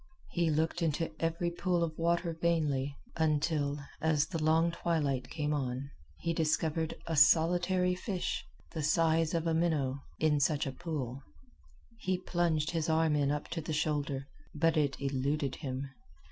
He looked into every pool of water vainly, until, as the long twilight came on, he discovered a solitary fish, the size of a minnow, in such a pool. He plunged his arm in up to the shoulder, but it eluded him.